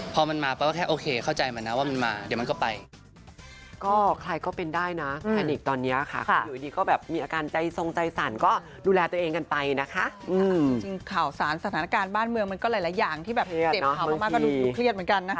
พอมันมาป๊ก็แค่โอเคเข้าใจมันนะว่ามันมาเดี๋ยวมันก็ไป